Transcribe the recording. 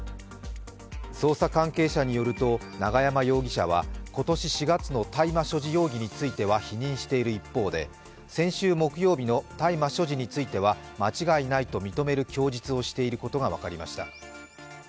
捜査関係者によると永山容疑者は今年４月の大麻所持容疑については否認している一方で先週木曜日の大麻所持については間違いないと認める供述をしていることが分かりました。